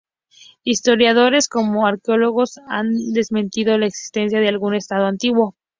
Historiadores como arqueólogos han desmentido la existencia de algún Estado antiguo.